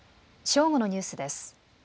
正午のニュースです。